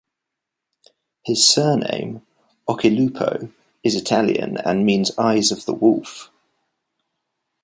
His surname, Occhilupo, is Italian and means eyes of the wolf.